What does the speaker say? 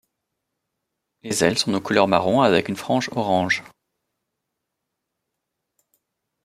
Les ailes sont de couleur marron avec une frange orange.